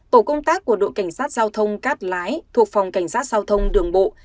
tổ công tác của đội cảnh sát giao thông cát lái thuộc phòng cảnh sát giao thông đường bộ